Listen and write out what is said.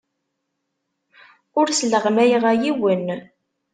Ur sleɣmayeɣ yiwen.